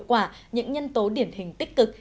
và những nhân tố điển hình tích cực